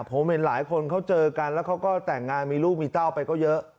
ผมเห็นหลายคนเขาเจอกันแล้วเขาก็แต่งงานมีลูกมีเต้าไปก็เยอะ